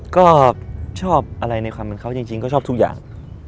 ก็ชอบอะไรในความเป็นเขาจริงก็ชอบทุกอย่าง